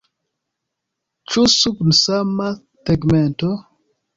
Ĉu sub sama tegmento?